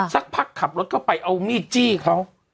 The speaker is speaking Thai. สักพักขับรถเข้าไปเอามีดจี้เขา